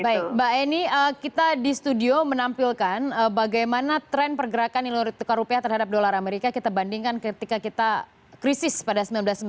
baik mbak eni kita di studio menampilkan bagaimana tren pergerakan nilai tukar rupiah terhadap dolar amerika kita bandingkan ketika kita krisis pada seribu sembilan ratus sembilan puluh delapan